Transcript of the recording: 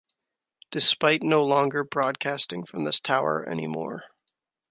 Despite no longer broadcasting from this tower anymore.